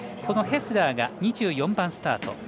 このヘスラーが２４番スタート。